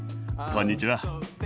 こんにちは。